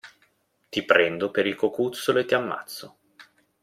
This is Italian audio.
Ti prendo per il cocuzzolo e ti ammazzo.